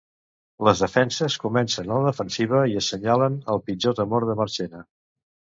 Les defenses comencen a la defensiva i assenyalen el pitjor temor de Marchena.